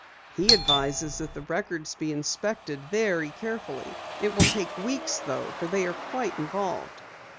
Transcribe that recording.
"He advises that the records be inspected very carefully. It will take weeks though, for they are quite involved."